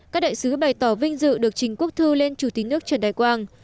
các đại sứ bày tỏ vinh dự được chính quốc thư lên chủ tịch nước trần đại quang